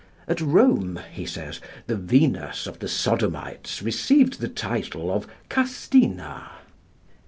At Rome, he says, the Venus of the sodomites received the title of Castina (p.